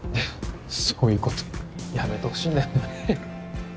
そういうことやめてほしいんだよね